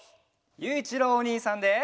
ゆういちろうおにいさんで。